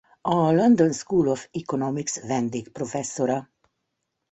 A London School of Economics vendégprofesszora.